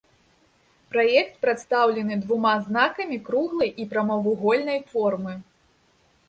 Праект прадстаўлены двума знакамі круглай і прамавугольнай формы.